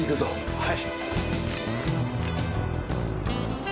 はい。